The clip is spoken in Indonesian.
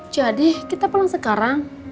jadi kita pulang sekarang